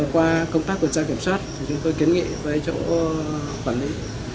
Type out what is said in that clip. qua công tác của trang kiểm soát chúng tôi kiến nghị với chỗ quản lý